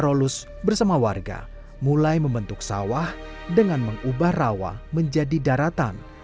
rolus bersama warga mulai membentuk sawah dengan mengubah rawa menjadi daratan